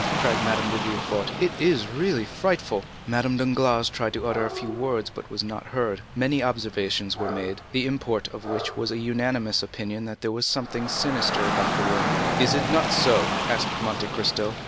cried Madame de Villefort, "it is really frightful." Madame Danglars tried to utter a few words, but was not heard. Many observations were made, the import of which was a unanimous opinion that there was something sinister about the room. 30221m "Is it not so?" asked Monte Cristo.